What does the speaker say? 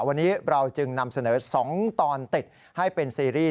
วันนี้เราจึงนำเสนอ๒ตอนติดให้เป็นซีรีส์